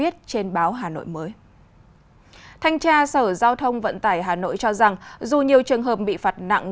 thanh tra sở giao thông vận tải hà nội cho rằng dù nhiều trường hợp bị phạt nặng